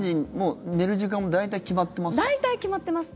寝る時間も大体決まってます？